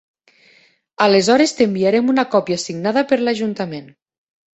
Aleshores t'enviarem una còpia signada per l'ajuntament.